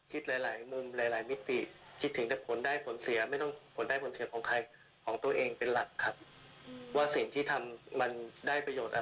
หรืออะไรก็ตามเราก็ว่ากันไปตามหลักฐาน